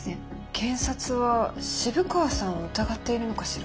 検察は渋川さんを疑っているのかしら。